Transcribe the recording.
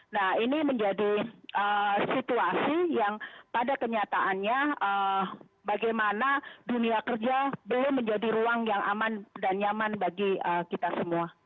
nah ini menjadi situasi yang pada kenyataannya bagaimana dunia kerja belum menjadi ruang yang aman dan nyaman bagi kita semua